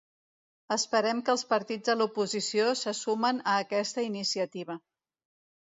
Esperem que els partits de l’oposició se sumen a aquesta iniciativa.